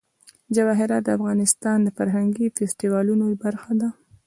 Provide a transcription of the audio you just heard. جواهرات د افغانستان د فرهنګي فستیوالونو برخه ده.